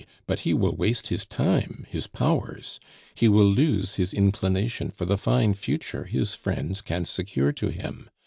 but he will waste his time, his powers; he will lose his inclination for the fine future his friends can secure to him.